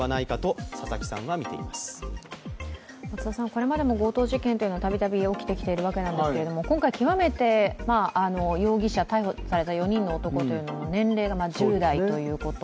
これまでも強盗事件はたびたび起きているわけですが今回、極めて、逮捕された４人の男は年齢が１０代ということ。